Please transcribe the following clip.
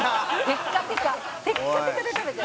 「テッカテカで食べてる」